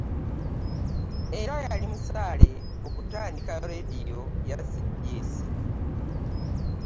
Era yali musaale okutandika leediyo ya CBS.